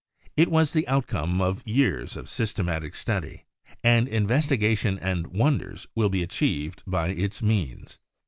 It was the outcome of years of systematic study and investiga tion and wonders will be achieved by its means.